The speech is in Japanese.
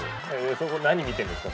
そこ何見てんですか？